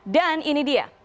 dan ini dia